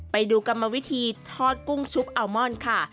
ไปดูกรรมวิธีทอดกุ้งชุบอัลมอนค่ะ